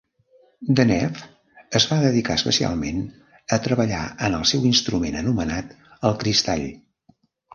Deneuve es va dedicar especialment a treballar en el seu instrument anomenat el "Cristall".